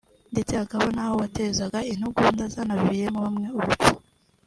ndetse hakaba n’aho watezaga intugunda zanaviriyemo bamwe urupfu